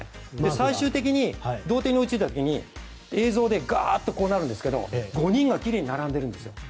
最終的に同点に追いついた時に映像でガーッとこうなるんですが５人が奇麗に並んでいるんです。